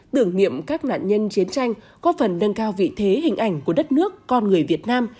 tưởng niệm các nạn nhân chiến tranh có phần nâng cao vị thế hình ảnh của đất nước con người việt nam